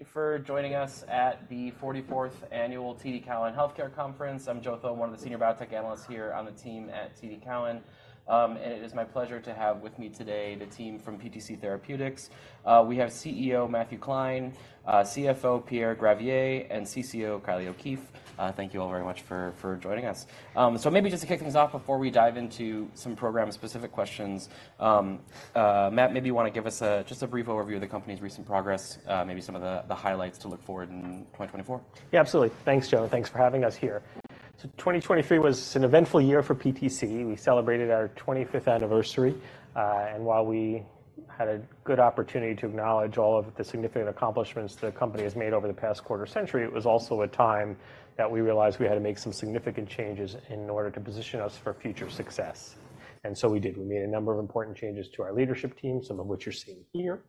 Hello everyone. Thank you for joining us at the 44th Annual TD Cowen Healthcare Conference. I'm Joe Thome, one of the senior biotech analysts here on the team at TD Cowen, and it is my pleasure to have with me today the team from PTC Therapeutics. We have CEO Matthew Klein, CFO Pierre Gravier, and CCO Kylie O'Keefe. Thank you all very much for joining us. So maybe just to kick things off before we dive into some program-specific questions, Matt, maybe you want to give us just a brief overview of the company's recent progress, maybe some of the highlights to look forward in 2024? Yeah, absolutely. Thanks, Joe. Thanks for having us here. So 2023 was an eventful year for PTC. We celebrated our 25th anniversary, and while we had a good opportunity to acknowledge all of the significant accomplishments the company has made over the past quarter century, it was also a time that we realized we had to make some significant changes in order to position us for future success. And so we did. We made a number of important changes to our leadership team, some of which you're seeing here.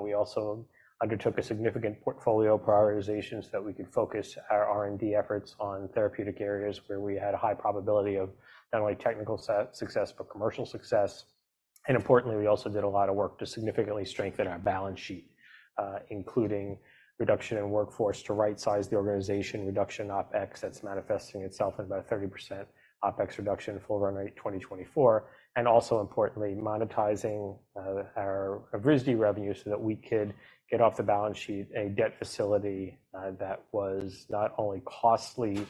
We also undertook a significant portfolio prioritization so that we could focus our R&D efforts on therapeutic areas where we had a high probability of not only technical success but commercial success. Importantly, we also did a lot of work to significantly strengthen our balance sheet, including reduction in workforce to right-size the organization, reduction OPEX that's manifesting itself in about a 30% OPEX reduction full run rate 2024, and also importantly, monetizing our Evrysdi revenue so that we could get off the balance sheet a debt facility that was not only costly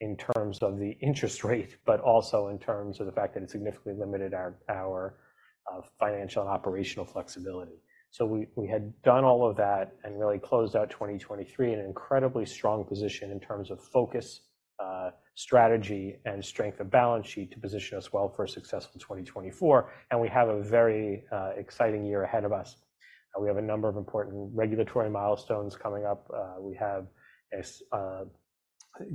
in terms of the interest rate but also in terms of the fact that it significantly limited our our financial and operational flexibility. So we we had done all of that and really closed out 2023 in an incredibly strong position in terms of focus, strategy, and strength of balance sheet to position us well for a successful 2024. And we have a very exciting year ahead of us. We have a number of important regulatory milestones coming up. We are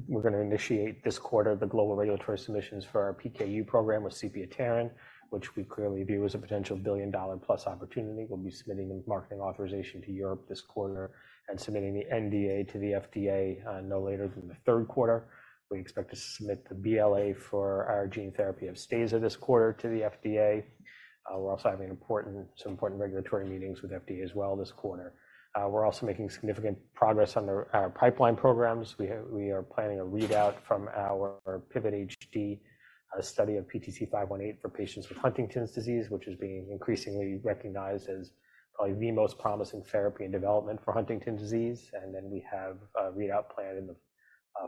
going to initiate this quarter the global regulatory submissions for our PKU program with sepiapterin, which we clearly view as a potential billion-dollar-plus opportunity. We'll be submitting the marketing authorization to Europe this quarter and submitting the NDA to the FDA, no later than the Q3. We expect to submit the BLA for our gene therapy of Upstaza this quarter to the FDA. We're also having important regulatory meetings with FDA as well this quarter. We're also making significant progress on our pipeline programs. We are planning a readout from our PIVOT-HD study of PTC518 for patients with Huntington's disease, which is being increasingly recognized as probably the most promising therapy in development for Huntington's disease. And then we have a readout planned in the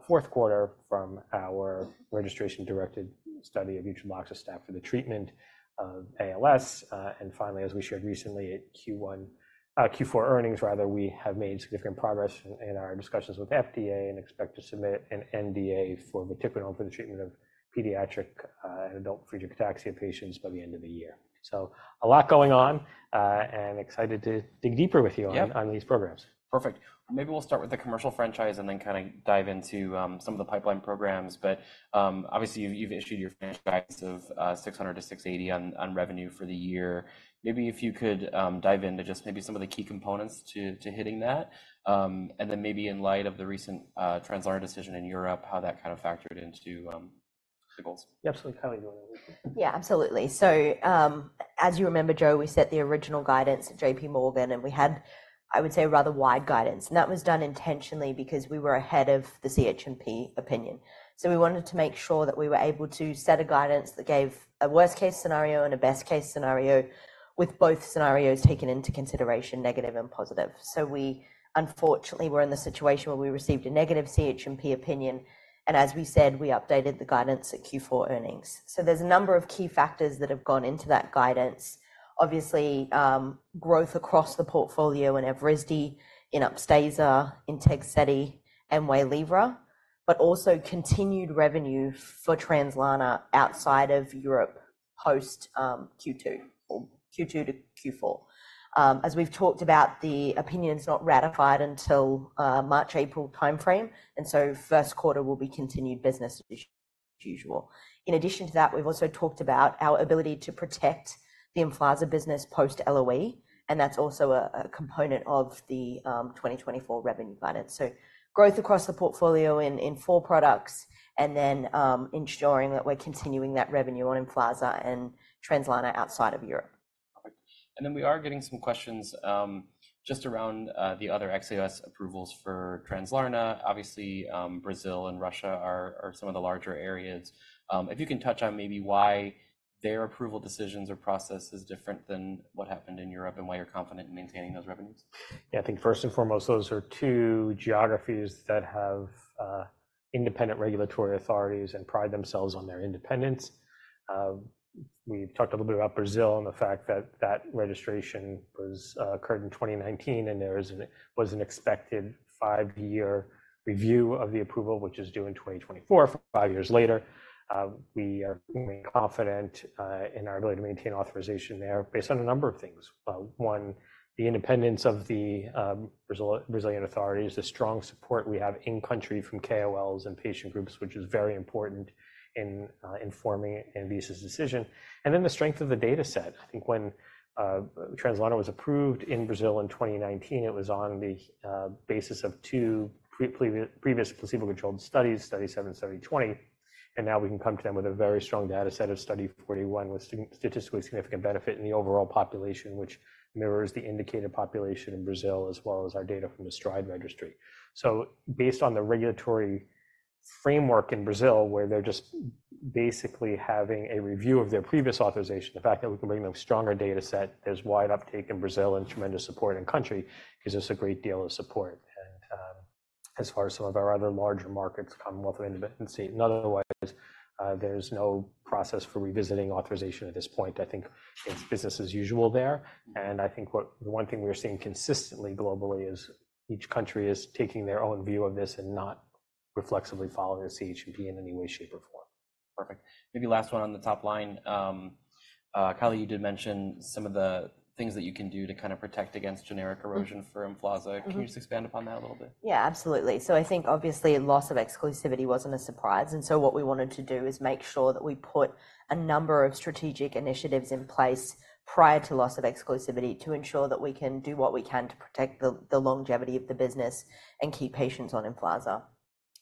Q4 from our registration-directed study of utreloxastat for the treatment of ALS. Finally, as we shared recently at Q4 earnings, rather, we have made significant progress in our discussions with the FDA and expect to submit an NDA for vatiquinone for the treatment of pediatric and adult Friedreich's ataxia patients by the end of the year. So a lot going on, and excited to dig deeper with you on these programs. Yeah. Perfect. Maybe we'll start with the commercial franchise and then kind of dive into some of the pipeline programs. But obviously, you've issued your guidance of $600-$680 on revenue for the year. Maybe if you could dive into just maybe some of the key components to hitting that, and then maybe in light of the recent Translarna decision in Europe, how that kind of factored into the goals. Yeah, absolutely. Kylie, do you want to? Yeah, absolutely. So, as you remember, Joe, we set the original guidance at J.P. Morgan, and we had, I would say, a rather wide guidance. And that was done intentionally because we were ahead of the CHMP opinion. So we wanted to make sure that we were able to set a guidance that gave a worst-case scenario and a best-case scenario with both scenarios taken into consideration, negative and positive. So we, unfortunately, were in the situation where we received a negative CHMP opinion. And as we said, we updated the guidance at Q4 earnings. So there's a number of key factors that have gone into that guidance. Obviously, growth across the portfolio in Evrysdi, in Upstaza, in Translarna, and Waylivra, but also continued revenue for Translarna outside of Europe post-Q2 or Q2 to Q4, as we've talked about, the opinion's not ratified until March-April timeframe. So Q1 will be continued business as usual. In addition to that, we've also talked about our ability to protect the Emflaza business post-LOE. And that's also a component of the 2024 revenue guidance. So growth across the portfolio in four products and then ensuring that we're continuing that revenue on Emflaza and Translarna outside of Europe. Perfect. And then we are getting some questions, just around the other ex-US approvals for Translarna. Obviously, Brazil and Russia are some of the larger areas. If you can touch on maybe why their approval decisions or process is different than what happened in Europe and why you're confident in maintaining those revenues. Yeah, I think first and foremost, those are two geographies that have independent regulatory authorities and pride themselves on their independence. We've talked a little bit about Brazil and the fact that that registration occurred in 2019, and there was an expected five-year review of the approval, which is due in 2024, five years later. We are really confident in our ability to maintain authorization there based on a number of things. One, the independence of the Brazilian authorities, the strong support we have in-country from KOLs and patient groups, which is very important in informing ANVISA's decision. And then the strength of the dataset. I think when Translarna was approved in Brazil in 2019, it was on the basis of two previous placebo-controlled studies, study 7 and study 20. And now we can come to them with a very strong dataset of study 41 with statistically significant benefit in the overall population, which mirrors the indicated population in Brazil as well as our data from the STRIDE registry. So based on the regulatory framework in Brazil where they're just basically having a review of their previous authorization, the fact that we can bring them a stronger dataset, there's wide uptake in Brazil and tremendous support in-country because there's a great deal of support. As far as some of our other larger markets come with an independence. Otherwise, there's no process for revisiting authorization at this point. I think it's business as usual there. And I think the one thing we're seeing consistently globally is each country is taking their own view of this and not reflexively following the CHMP in any way, shape, or form. Perfect. Maybe last one on the top line. Kylie, you did mention some of the things that you can do to kind of protect against generic erosion for Emflaza. Can you just expand upon that a little bit? Yeah, absolutely. So I think obviously, loss of exclusivity wasn't a surprise. And so what we wanted to do is make sure that we put a number of strategic initiatives in place prior to loss of exclusivity to ensure that we can do what we can to protect the longevity of the business and keep patients on Emflaza.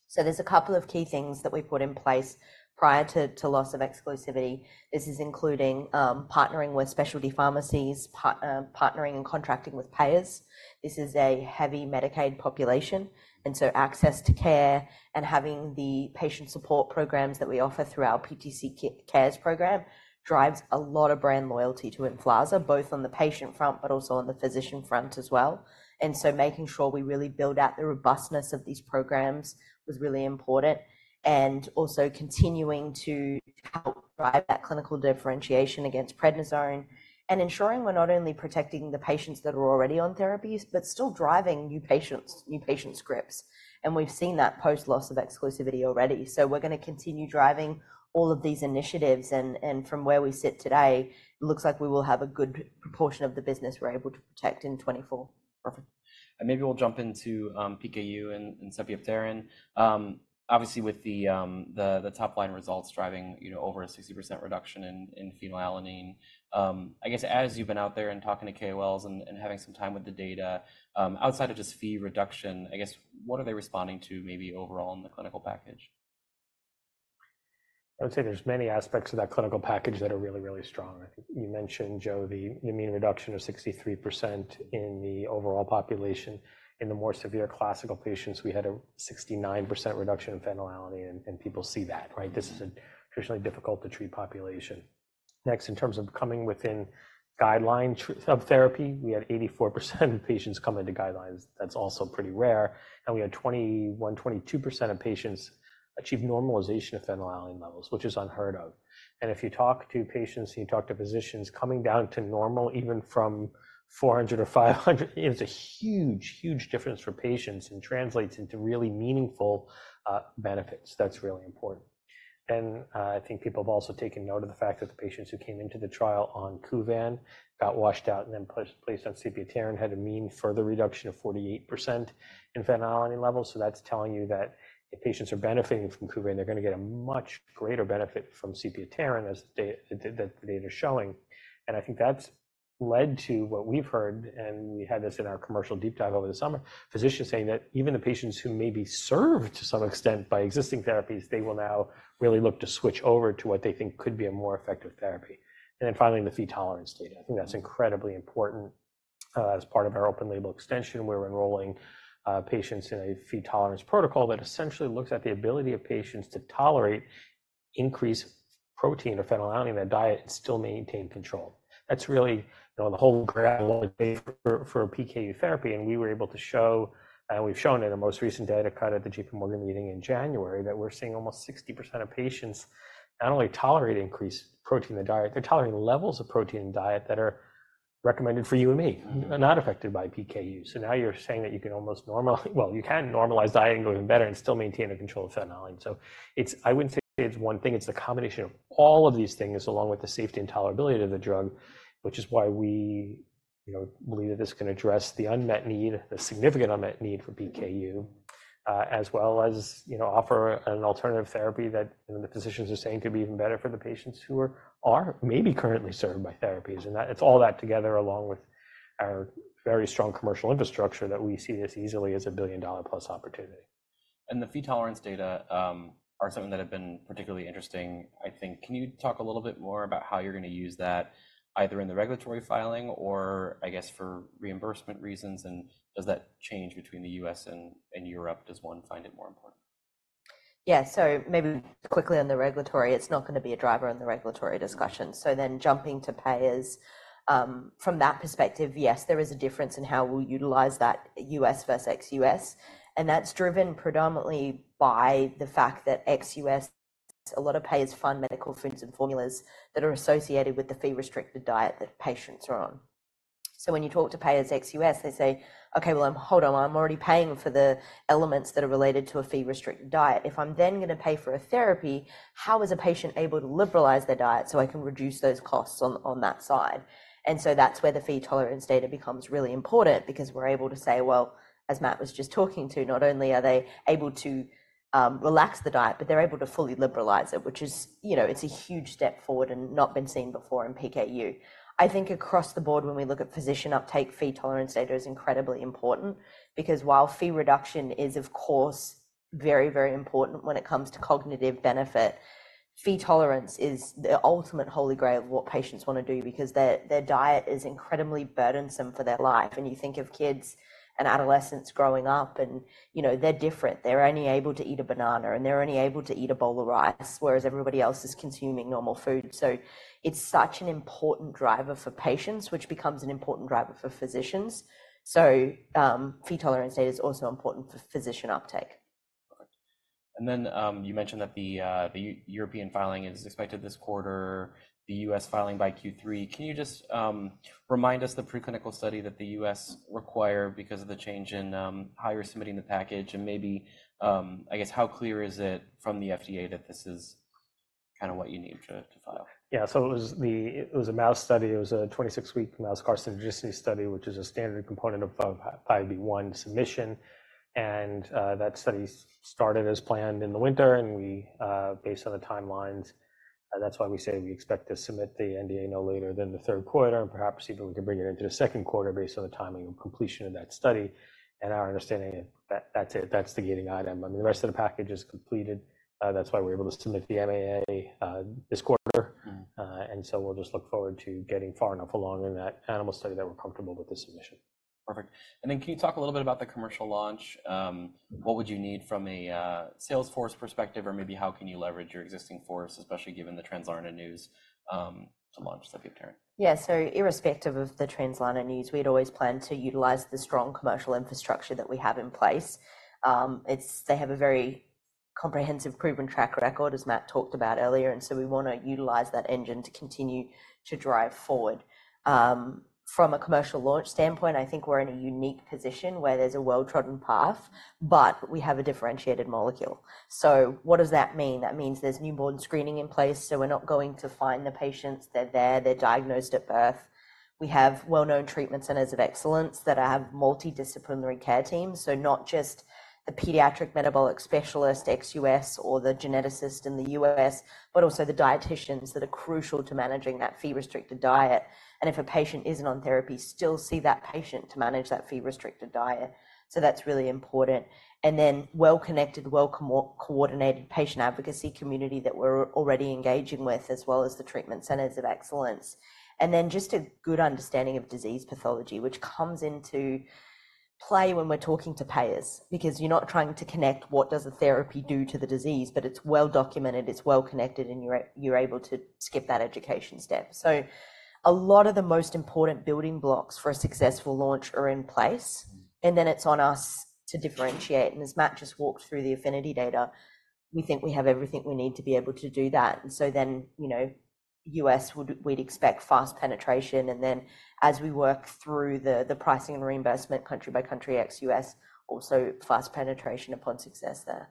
So there's a couple of key things that we put in place prior to loss of exclusivity. This is including partnering with specialty pharmacies, partnering and contracting with payers. This is a heavy Medicaid population. And so access to care and having the patient support programs that we offer through our PTC Cares program drives a lot of brand loyalty to Emflaza, both on the patient front but also on the physician front as well. And so making sure we really build out the robustness of these programs was really important and also continuing to help drive that clinical differentiation against prednisone and ensuring we're not only protecting the patients that are already on therapies but still driving new patients, new patient scripts. And we've seen that post-loss of exclusivity already. So we're going to continue driving all of these initiatives. And from where we sit today, it looks like we will have a good proportion of the business we're able to protect in 2024. Perfect. Maybe we'll jump into PKU and sepiapterin. Obviously, with the top-line results driving, you know, over a 60% reduction in phenylalanine, I guess as you've been out there and talking to KOLs and having some time with the data, outside of just Phe reduction, I guess what are they responding to maybe overall in the clinical package? I would say there's many aspects of that clinical package that are really, really strong. I think you mentioned, Joe, the, the mean reduction of 63% in the overall population. In the more severe classical patients, we had a 69% reduction in phenylalanine, and, and people see that, right? This is a traditionally difficult-to-treat population. Next, in terms of coming within guideline target range of therapy, we had 84% of patients come into guidelines. That's also pretty rare. And we had 21%-22% of patients achieve normalization of phenylalanine levels, which is unheard of. And if you talk to patients and you talk to physicians coming down to normal even from 400 or 500, it's a huge, huge difference for patients and translates into really meaningful benefits. That's really important. I think people have also taken note of the fact that the patients who came into the trial on Kuvan got washed out and then placed on sepiapterin had a mean further reduction of 48% in phenylalanine levels. So that's telling you that if patients are benefiting from Kuvan, they're going to get a much greater benefit from sepiapterin as the data that's showing. And I think that's led to what we've heard, and we had this in our commercial deep dive over the summer, physicians saying that even the patients who may be served to some extent by existing therapies, they will now really look to switch over to what they think could be a more effective therapy. And then finally, the Phe tolerance data. I think that's incredibly important, as part of our open-label extension. We're enrolling patients in a Phe tolerance protocol that essentially looks at the ability of patients to tolerate increased protein or phenylalanine in their diet and still maintain control. That's really, you know, the whole holy grail to lay for PKU therapy. And we were able to show, and we've shown in the most recent data cut at the J.P. Morgan meeting in January, that we're seeing almost 60% of patients not only tolerate increased protein in the diet, they're tolerating levels of protein in diet that are recommended for you and me, not affected by PKU. So now you're saying that you can almost normalize well, you can normalize diet and go even better and still maintain a control of phenylalanine. So it's I wouldn't say it's one thing. It's the combination of all of these things along with the safety and tolerability of the drug, which is why we, you know, believe that this can address the unmet need, the significant unmet need for PKU, as well as, you know, offer an alternative therapy that, you know, the physicians are saying could be even better for the patients who are maybe currently served by therapies. And that it's all that together along with our very strong commercial infrastructure that we see this easily as a billion-dollar-plus opportunity. The Phe tolerance data are something that have been particularly interesting, I think. Can you talk a little bit more about how you're going to use that either in the regulatory filing or, I guess, for reimbursement reasons? Does that change between the U.S. and Europe? Does one find it more important? Yeah. So maybe quickly on the regulatory, it's not going to be a driver in the regulatory discussion. So then jumping to payers, from that perspective, yes, there is a difference in how we utilize that U.S. versus ex-U.S. And that's driven predominantly by the fact that ex-U.S., a lot of payers fund medical foods and formulas that are associated with the Phe-restricted diet that patients are on. So when you talk to payers ex-U.S., they say, "Okay, well, hold on. I'm already paying for the elements that are related to a Phe-restricted diet. If I'm then going to pay for a therapy, how is a patient able to liberalize their diet so I can reduce those costs on, on that side?" And so that's where the Phe tolerance data becomes really important because we're able to say, "Well, as Matt was just talking to, not only are they able to, relax the diet, but they're able to fully liberalize it," which is, you know, it's a huge step forward and not been seen before in PKU. I think across the board, when we look at physician uptake, Phe tolerance data is incredibly important because while Phe reduction is, of course, very, very important when it comes to cognitive benefit, Phe tolerance is the ultimate holy grail of what patients want to do because their, their diet is incredibly burdensome for their life. You think of kids and adolescents growing up and, you know, they're different. They're only able to eat a banana, and they're only able to eat a bowl of rice, whereas everybody else is consuming normal food. It's such an important driver for patients, which becomes an important driver for physicians. Phe tolerance data is also important for physician uptake. Perfect. And then, you mentioned that the European filing is expected this quarter, the U.S. filing by Q3. Can you just remind us the preclinical study that the U.S. require because of the change in how you're submitting the package and maybe, I guess, how clear is it from the FDA that this is kind of what you need to file? Yeah. So it was a mouse study. It was a 26-week mouse carcinogenicity study, which is a standard component of 505(b)(1) submission. And that study started as planned in the winter. And, based on the timelines, that's why we say we expect to submit the NDA no later than the Q3. And perhaps even we could bring it into the Q2 based on the timing of completion of that study. And our understanding is that that's it. That's the gating item. I mean, the rest of the package is completed. That's why we're able to submit the MAA this quarter. And so we'll just look forward to getting far enough along in that animal study that we're comfortable with the submission. Perfect. And then can you talk a little bit about the commercial launch? What would you need from a sales force perspective, or maybe how can you leverage your existing force, especially given the Translarna news, to launch sepiapterin? Yeah. So irrespective of the Translarna news, we'd always plan to utilize the strong commercial infrastructure that we have in place. It's that they have a very comprehensive proven track record, as Matt talked about earlier. And so we want to utilize that engine to continue to drive forward. From a commercial launch standpoint, I think we're in a unique position where there's a well-trodden path, but we have a differentiated molecule. So what does that mean? That means there's newborn screening in place. So we're not going to find the patients. They're there. They're diagnosed at birth. We have well-known treatment centers of excellence that have multidisciplinary care teams, so not just the pediatric metabolic specialist ex-U.S., or the geneticist in the U.S., but also the dietitians that are crucial to managing that Phe-restricted diet and if a patient isn't on therapy, still see that patient to manage that Phe-restricted diet. So that's really important. And then well-connected, well-coordinated patient advocacy community that we're already engaging with as well as the treatment centers of excellence. And then just a good understanding of disease pathology, which comes into play when we're talking to payers because you're not trying to connect what does a therapy do to the disease, but it's well-documented, it's well-connected, and you're able to skip that education step. So a lot of the most important building blocks for a successful launch are in place, and then it's on us to differentiate. As Matt just walked through the APHENITY data, we think we have everything we need to be able to do that. And so then, you know, US, we'd expect fast penetration. And then as we work through the pricing and reimbursement country by country, ex-US, also fast penetration upon success there.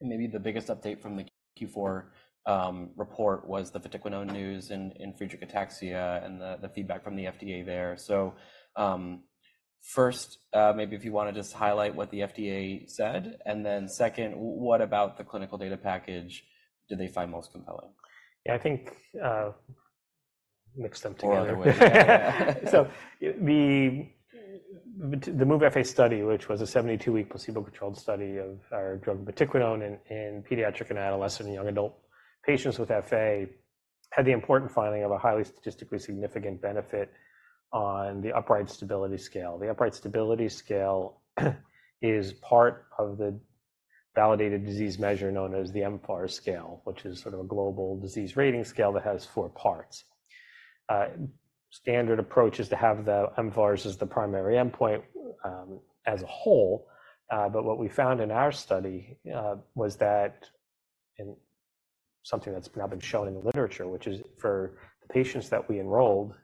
Maybe the biggest update from the Q4 report was the PTC news and, and Friedreich ataxia and the feedback from the FDA there. So, first, maybe if you want to just highlight what the FDA said. Then second, what about the clinical data package did they find most compelling? Yeah. I think, mix them together. All the way. So the MOVE-FA study, which was a 72-week placebo-controlled study of our drug vatiquinone in pediatric and adolescent and young adult patients with FA, had the important finding of a highly statistically significant benefit on the upright stability scale. The upright stability scale is part of the validated disease measure known as the mFARS scale, which is sort of a global disease rating scale that has four parts. The standard approach is to have the mFARS as the primary endpoint, as a whole. But what we found in our study was that in something that's now been shown in the literature, which is for the patients that we enrolled,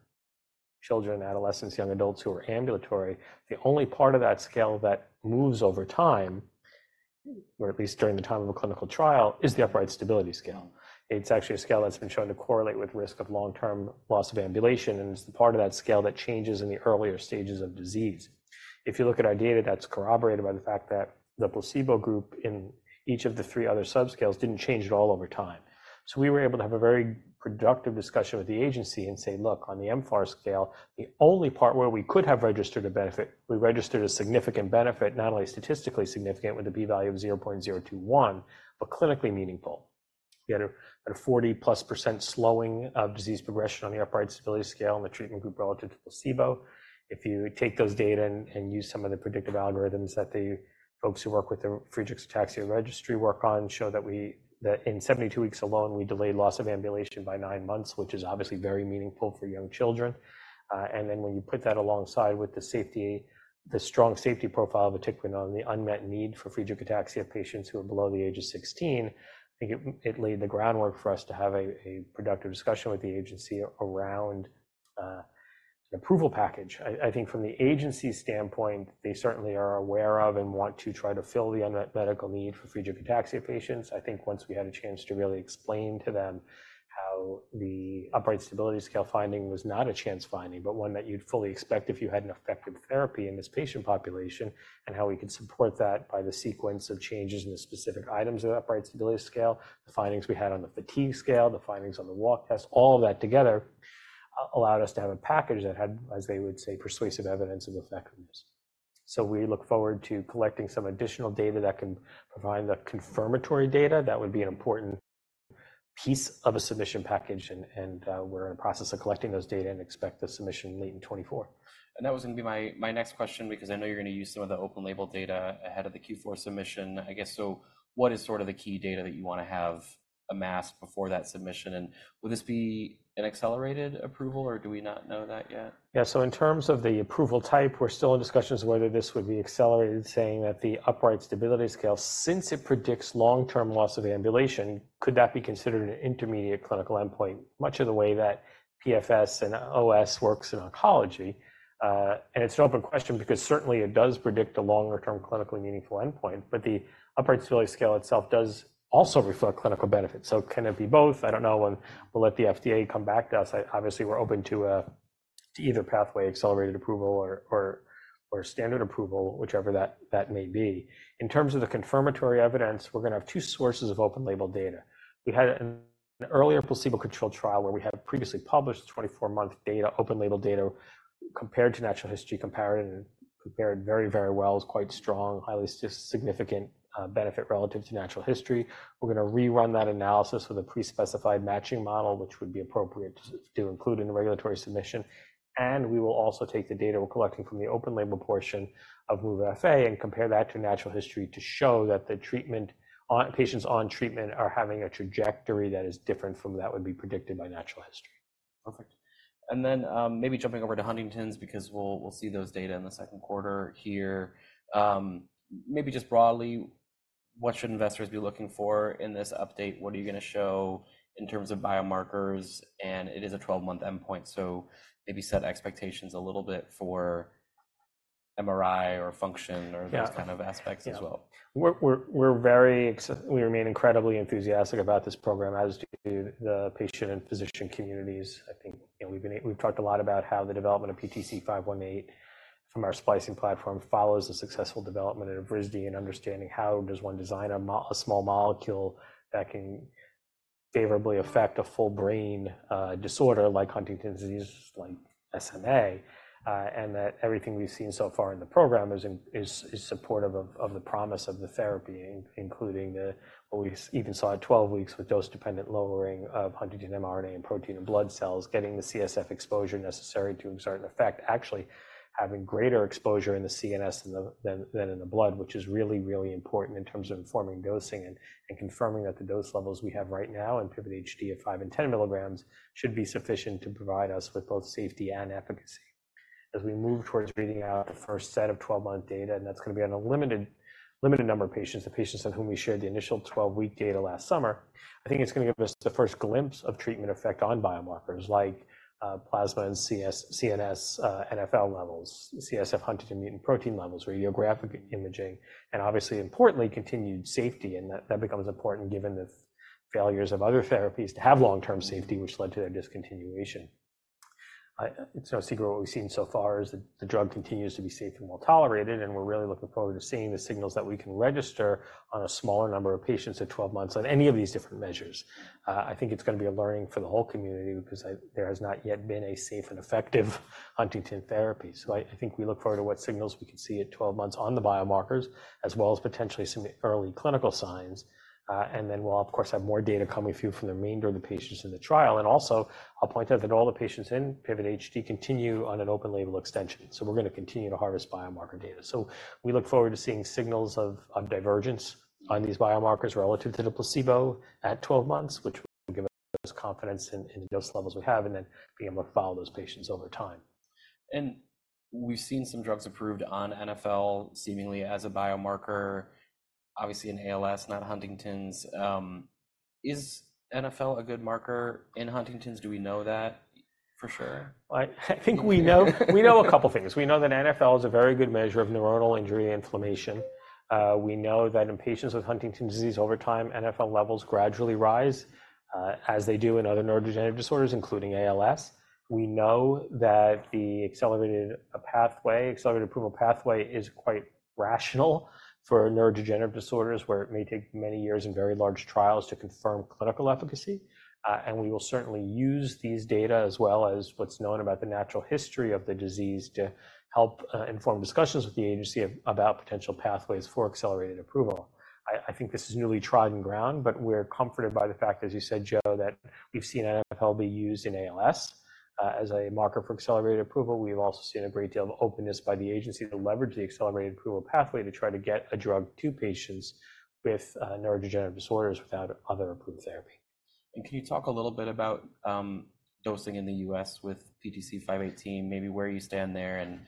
children, adolescents, young adults who are ambulatory, the only part of that scale that moves over time, or at least during the time of a clinical trial, is the upright stability scale. It's actually a scale that's been shown to correlate with risk of long-term loss of ambulation. It's the part of that scale that changes in the earlier stages of disease. If you look at our data, that's corroborated by the fact that the placebo group in each of the three other subscales didn't change at all over time. So we were able to have a very productive discussion with the agency and say, "Look, on the mFARS scale, the only part where we could have registered a benefit, we registered a significant benefit, not only statistically significant with a p-value of 0.021, but clinically meaningful." We had a 40+% slowing of disease progression on the upright stability scale and the treatment group relative to placebo. If you take those data and use some of the predictive algorithms that the folks who work with the Friedreich ataxia registry work on show that in 72 weeks alone, we delayed loss of ambulation by 9 months, which is obviously very meaningful for young children. And then when you put that alongside with the safety, the strong safety profile of vatiquinone and the unmet need for Friedreich ataxia patients who are below the age of 16, I think it laid the groundwork for us to have a productive discussion with the agency around an approval package. I think from the agency standpoint, they certainly are aware of and want to try to fill the unmet medical need for Friedreich ataxia patients. I think once we had a chance to really explain to them how the upright stability scale finding was not a chance finding, but one that you'd fully expect if you had an effective therapy in this patient population and how we could support that by the sequence of changes in the specific items of the upright stability scale, the findings we had on the fatigue scale, the findings on the walk test, all of that together allowed us to have a package that had, as they would say, persuasive evidence of effectiveness. So we look forward to collecting some additional data that can provide the confirmatory data. That would be an important piece of a submission package. And we're in the process of collecting those data and expect the submission late in 2024. That was going to be my next question because I know you're going to use some of the open-label data ahead of the Q4 submission, I guess. So what is sort of the key data that you want to have amassed before that submission? And would this be an accelerated approval, or do we not know that yet? Yeah. So in terms of the approval type, we're still in discussions of whether this would be accelerated, saying that the upright stability scale, since it predicts long-term loss of ambulation, could that be considered an intermediate clinical endpoint, much of the way that PFS and OS works in oncology. It's an open question because certainly it does predict a longer-term clinically meaningful endpoint, but the upright stability scale itself does also reflect clinical benefit. So it can it be both? I don't know. And we'll let the FDA come back to us. I obviously we're open to, to either pathway, accelerated approval or, or, or standard approval, whichever that, that may be. In terms of the confirmatory evidence, we're going to have two sources of open-label data. We had an earlier placebo-controlled trial where we had previously published 24-month data, open-label data, compared to natural history, compared and compared very, very well as quite strong, highly significant benefit relative to natural history. We're going to rerun that analysis with a pre-specified matching model, which would be appropriate to include in the regulatory submission. And we will also take the data we're collecting from the open-label portion of MOVE-FA and compare that to natural history to show that the treatment on patients on treatment are having a trajectory that is different from that would be predicted by natural history. Perfect. And then, maybe jumping over to Huntington's because we'll, we'll see those data in the Q2 here. Maybe just broadly, what should investors be looking for in this update? What are you going to show in terms of biomarkers? And it is a 12-month endpoint, so maybe set expectations a little bit for MRI or function or those kind of aspects as well. Yeah. We remain incredibly enthusiastic about this program as do the patient and physician communities. I think, you know, we've talked a lot about how the development of PTC518 from our splicing platform follows the successful development of Evrysdi and understanding how does one design a small molecule that can favorably affect a full brain disorder like Huntington's disease, like SMA, and that everything we've seen so far in the program is supportive of the promise of the therapy, including what we even saw at 12 weeks with dose-dependent lowering of Huntington mRNA and protein in blood cells, getting the CSF exposure necessary to exert an effect, actually having greater exposure in the CNS than in the blood, which is really, really important in terms of informing dosing and confirming that the dose levels we have right now in PIVOT-HD of five and 10 milligrams should be sufficient to provide us with both safety and efficacy. As we move towards reading out the first set of 12-month data, and that's going to be on a limited number of patients, the patients on whom we shared the initial 12-week data last summer, I think it's going to give us the first glimpse of treatment effect on biomarkers like plasma and CSF, CNS NfL levels, CSF Huntington mutant protein levels, radiographic imaging, and obviously, importantly, continued safety. And that becomes important given the failures of other therapies to have long-term safety, which led to their discontinuation. It's no secret what we've seen so far is that the drug continues to be safe and well-tolerated. And we're really looking forward to seeing the signals that we can register on a smaller number of patients at 12 months on any of these different measures. I think it's going to be a learning for the whole community because there has not yet been a safe and effective Huntington's therapy. So I, I think we look forward to what signals we can see at 12 months on the biomarkers, as well as potentially some early clinical signs. And then we'll, of course, have more data coming through from the remainder of the patients in the trial. And also I'll point out that all the patients in PIVOT-HD continue on an open-label extension. So we're going to continue to harvest biomarker data. So we look forward to seeing signals of, of divergence on these biomarkers relative to the placebo at 12 months, which will give us confidence in, in the dose levels we have and then being able to follow those patients over time. We've seen some drugs approved on NfL, seemingly as a biomarker, obviously in ALS, not Huntington's. Is NfL a good marker in Huntington's? Do we know that for sure? Well, I think we know a couple of things. We know that NfL is a very good measure of neuronal injury and inflammation. We know that in patients with Huntington's disease over time, NfL levels gradually rise, as they do in other neurodegenerative disorders, including ALS. We know that the accelerated pathway, accelerated approval pathway is quite rational for neurodegenerative disorders where it may take many years and very large trials to confirm clinical efficacy. We will certainly use these data as well as what's known about the natural history of the disease to help inform discussions with the agency about potential pathways for accelerated approval. I think this is untried ground, but we're comforted by the fact, as you said, Joe, that we've seen NFL be used in ALS, as a marker for accelerated approval. We've also seen a great deal of openness by the agency to leverage the accelerated approval pathway to try to get a drug to patients with neurodegenerative disorders without other approved therapy. Can you talk a little bit about dosing in the U.S. with PTC518, maybe where you stand there and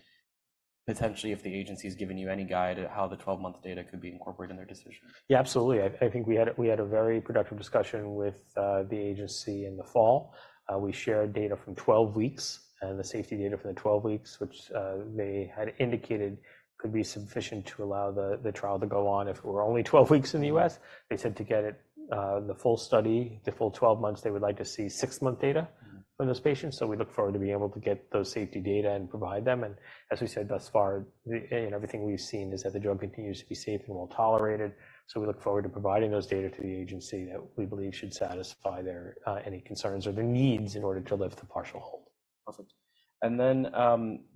potentially if the agency's given you any guide at how the 12-month data could be incorporated in their decision? Yeah, absolutely. I, I think we had a very productive discussion with the agency in the fall. We shared data from 12 weeks and the safety data for the 12 weeks, which they had indicated could be sufficient to allow the trial to go on. If it were only 12 weeks in the U.S., they said to get it, the full study, the full 12 months, they would like to see 6-month data from those patients. So we look forward to being able to get those safety data and provide them. And as we said thus far, the, you know, everything we've seen is that the drug continues to be safe and well-tolerated. So we look forward to providing those data to the agency that we believe should satisfy their any concerns or their needs in order to lift the partial hold. Perfect. And then,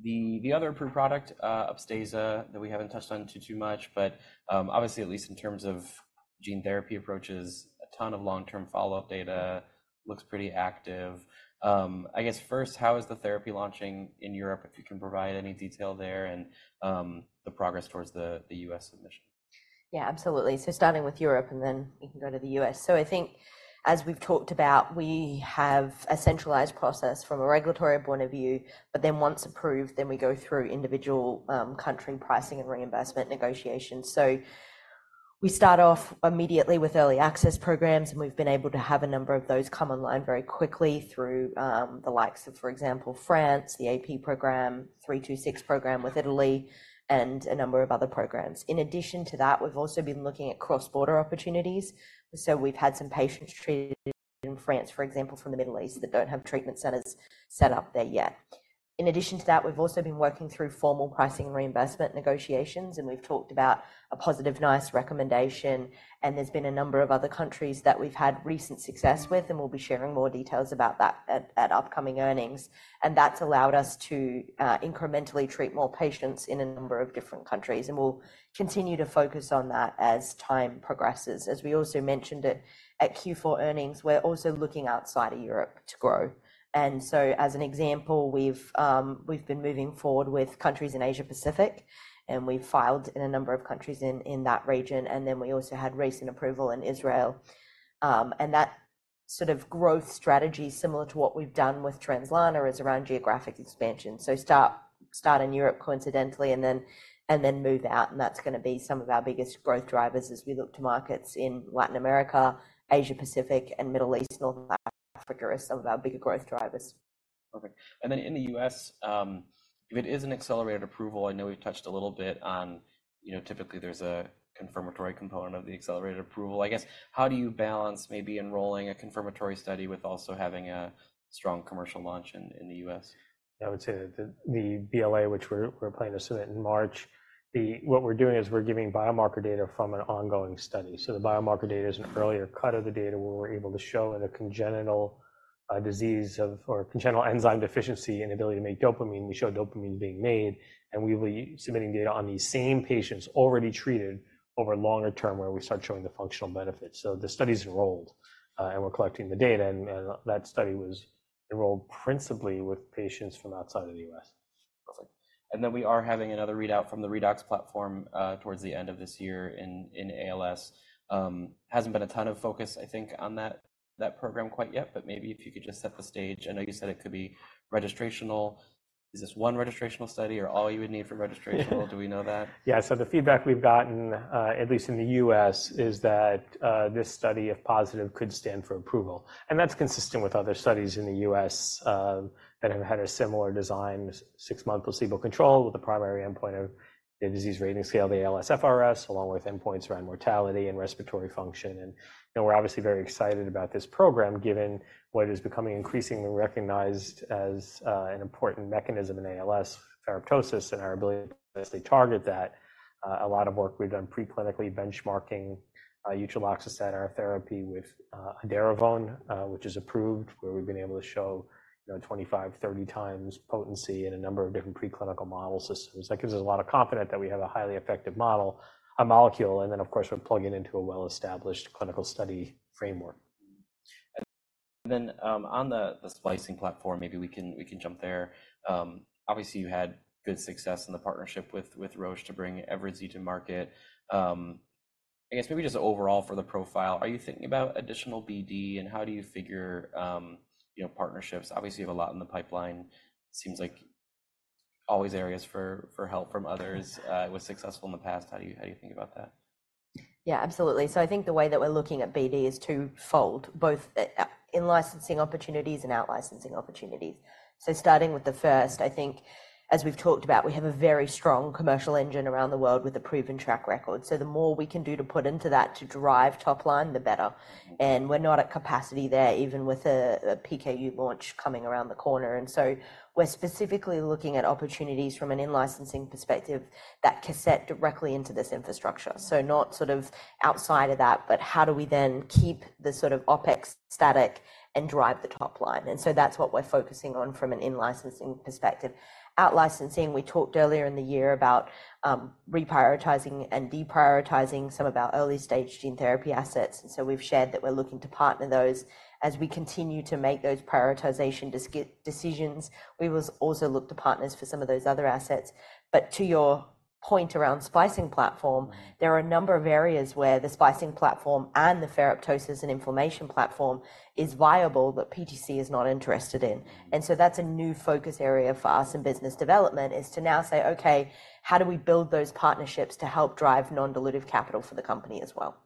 the other approved product, Upstaza, that we haven't touched on too much, but, obviously, at least in terms of gene therapy approaches, a ton of long-term follow-up data looks pretty active. I guess first, how is the therapy launching in Europe, if you can provide any detail there and, the progress towards the US submission? Yeah, absolutely. So starting with Europe, and then we can go to the U.S. So I think as we've talked about, we have a centralized process from a regulatory point of view, but then once approved, then we go through individual country pricing and reimbursement negotiations. So we start off immediately with early access programs, and we've been able to have a number of those come online very quickly through the likes of, for example, France, the AP program, 326 program with Italy, and a number of other programs. In addition to that, we've also been looking at cross-border opportunities. So we've had some patients treated in France, for example, from the Middle East that don't have treatment centers set up there yet. In addition to that, we've also been working through formal pricing and reimbursement negotiations, and we've talked about a positive NICE recommendation. And there's been a number of other countries that we've had recent success with, and we'll be sharing more details about that at, at upcoming earnings. And that's allowed us to, incrementally treat more patients in a number of different countries. And we'll continue to focus on that as time progresses. As we also mentioned at, at Q4 earnings, we're also looking outside of Europe to grow. And so as an example, we've, we've been moving forward with countries in Asia-Pacific, and we've filed in a number of countries in, in that region. And then we also had recent approval in Israel. And that sort of growth strategy, similar to what we've done with Translarna, is around geographic expansion. So start, start in Europe, coincidentally, and then, and then move out. That's going to be some of our biggest growth drivers as we look to markets in Latin America, Asia-Pacific, and Middle East, North Africa, are some of our bigger growth drivers. Perfect. And then in the U.S., if it is an accelerated approval, I know we've touched a little bit on, you know, typically there's a confirmatory component of the accelerated approval. I guess how do you balance maybe enrolling a confirmatory study with also having a strong commercial launch in, in the U.S.? Yeah, I would say that the BLA, which we're planning to submit in March, what we're doing is we're giving biomarker data from an ongoing study. So the biomarker data is an earlier cut of the data where we're able to show in a congenital disease or congenital enzyme deficiency—inability to make dopamine. We show dopamine being made, and we'll be submitting data on these same patients already treated over a longer term where we start showing the functional benefits. So the study's enrolled, and we're collecting the data. And that study was enrolled principally with patients from outside of the U.S. Perfect. And then we are having another readout from the redox platform, towards the end of this year in ALS. Hasn't been a ton of focus, I think, on that program quite yet, but maybe if you could just set the stage. I know you said it could be registrational. Is this one registrational study or all you would need for registrational? Do we know that? Yeah. So the feedback we've gotten, at least in the U.S., is that, this study, if positive, could stand for approval. And that's consistent with other studies in the U.S., that have had a similar design, six-month placebo control with the primary endpoint of the disease rating scale, the ALS-FRS, along with endpoints around mortality and respiratory function. And, you know, we're obviously very excited about this program given what is becoming increasingly recognized as, an important mechanism in ALS, ferroptosis, and our ability to target that. A lot of work we've done preclinically benchmarking, utreloxastat, our therapy with, edaravone, which is approved, where we've been able to show, you know, 25-30 times potency in a number of different preclinical model systems. That gives us a lot of confidence that we have a highly effective model, a molecule, and then, of course, we're plugging into a well-established clinical study framework. And then, on the splicing platform, maybe we can jump there. Obviously, you had good success in the partnership with Roche to bring Evrysdi to market. I guess maybe just overall for the profile, are you thinking about additional BD, and how do you figure, you know, partnerships? Obviously, you have a lot in the pipeline. Seems like always areas for help from others. It was successful in the past. How do you think about that? Yeah, absolutely. So I think the way that we're looking at BD is twofold, both in licensing opportunities and out-licensing opportunities. So starting with the first, I think, as we've talked about, we have a very strong commercial engine around the world with a proven track record. So the more we can do to put into that to drive top line, the better. And we're not at capacity there, even with a PKU launch coming around the corner. And so we're specifically looking at opportunities from an in-licensing perspective that slots directly into this infrastructure. So not sort of outside of that, but how do we then keep the sort of OPEX static and drive the top line? And so that's what we're focusing on from an in-licensing perspective. Out-licensing, we talked earlier in the year about, reprioritizing and deprioritizing some of our early-stage gene therapy assets. So we've shared that we're looking to partner those as we continue to make those prioritization decisions. We will also look to partners for some of those other assets. To your point around splicing platform, there are a number of areas where the splicing platform and the fibrosis and inflammation platform is viable that PTC is not interested in. That's a new focus area for us in business development is to now say, okay, how do we build those partnerships to help drive non-dilutive capital for the company as well?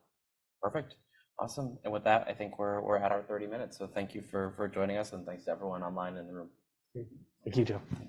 Perfect. Awesome. And with that, I think we're at our 30 minutes. So thank you for joining us, and thanks to everyone online and in the room. Thank you, Joe.